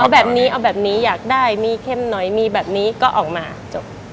เอาแบบนี้เอาแบบนี้อยากได้มีเข้มหน่อยมีแบบนี้ก็ออกมาจบ